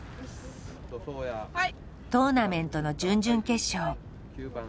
トーナメントの準々決勝。